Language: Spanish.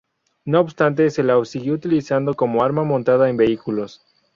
No obstante, se la siguió utilizando como arma montada en vehículos.